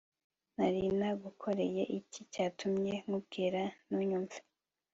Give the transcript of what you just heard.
nari nagukoreye iki cyatuma nkubwira ntunyumve